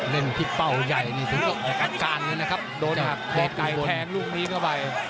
แม่งเป้าใหญ่กลับการเลยเนี่ยโดนหักดูดแหลกลูกนี้เข้าไป